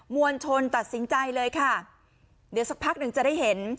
วลชนตัดสินใจเลยค่ะเดี๋ยวสักพักหนึ่งจะได้เห็น